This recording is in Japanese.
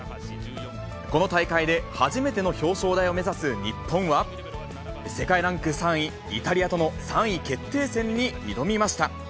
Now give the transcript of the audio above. この大会で初めての表彰台を目指す日本は、世界ランク３位、イタリアとの３位決定戦に挑みました。